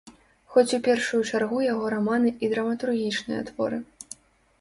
Хоць у першую чаргу яго раманы і драматургічныя творы.